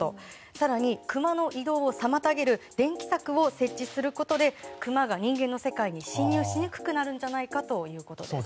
更にクマの移動を妨げる電気柵を設置することでクマが人間の世界に侵入しにくくなるんじゃないかということです。